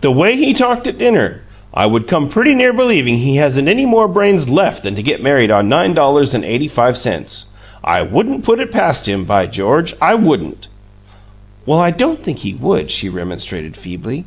"The way he talked at dinner, I could come pretty near believing he hasn't any more brains LEFT than to get married on nine dollars and eighty five cents! I wouldn't put it past him! By George, I wouldn't!" "Oh, I don't think he would," she remonstrated, feebly.